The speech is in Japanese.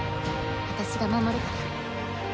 私が守るから。